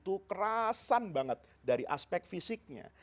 itu kerasan banget dari aspek fisiknya